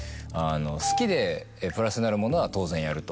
好きでプラスになるものは当然やる。